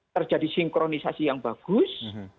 terjadi sinkronisasi yang bagus